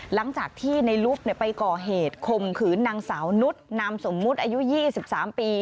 หลังจากที่ในลุฟไปก่อเหตุคมขืนนางสาวนุษย์นามสมมุติอายุ๒๓ปี